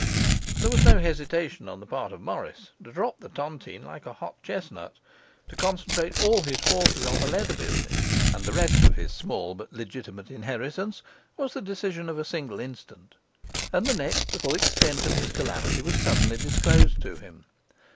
There was no hesitation on the part of Morris; to drop the tontine like a hot chestnut, to concentrate all his forces on the leather business and the rest of his small but legitimate inheritance, was the decision of a single instant. And the next, the full extent of his calamity was suddenly disclosed to him.